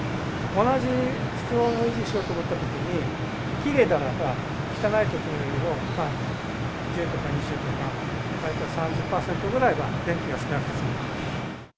同じ室温を維持しようと思ったときに、きれいなら、汚いときよりも、１０とか２０とか、３０％ぐらいは電気が少なくて済む。